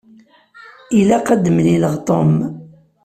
Ilaq ad d-mmlileɣ Tom.